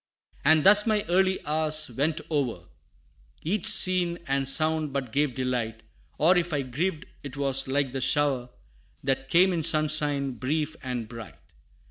VII. "And thus my early hours went o'er: Each scene and sound but gave delight; Or if I grieved, 'twas like the shower, That comes in sunshine, brief and bright.